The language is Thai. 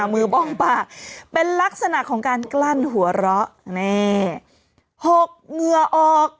มือบ้องปากเป็นลักษณะของการกลั้นหัวเราะนี่หกเหงื่อออก